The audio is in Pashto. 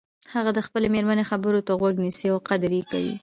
هغه د خپلې مېرمنې خبرو ته غوږ نیسي او قدر یی کوي